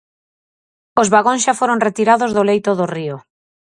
Os vagóns xa foron retirados do leito do río.